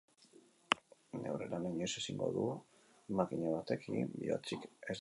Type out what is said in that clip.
Neure lana inoiz ezingo du makina batek egin, bihotzik ez duelako.